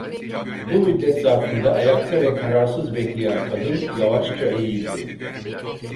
Bu müddet zarfında ayakta ve kararsız bekleyen kadın yavaşça eğildi.